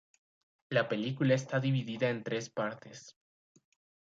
La película está dividida en tres partes.